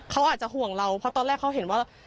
เขาอาจจะห่วงเราเพราะตอนแรกเขาเห็นว่า